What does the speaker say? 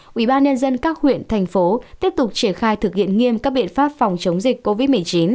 và ubnd thành phố tiếp tục triển khai thực hiện nghiêm các biện pháp phòng chống dịch covid một mươi chín